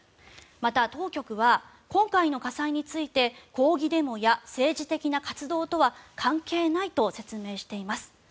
また当局は今回の火災について抗議デモや政治的な活動とは関係ないと説明しています。